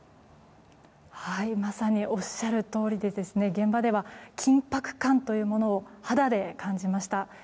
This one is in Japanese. まさにおっしゃるとおりで現場では緊迫感というものを肌で感じました。